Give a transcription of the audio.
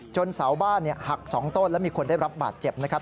เสาบ้านหัก๒ต้นและมีคนได้รับบาดเจ็บนะครับ